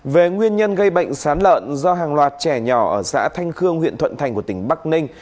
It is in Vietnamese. về nguyên nhân gây bệnh sán lợn do hàng loạt trẻ nhỏ ở xã thanh khương huyện thuận thành của tỉnh bắc ninh